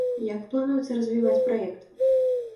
Як плануеце развіваць праект?